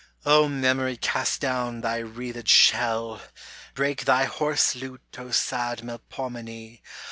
O Memory cast down thy wreathed shell ! Break thy hoarse lute O sad Melpomene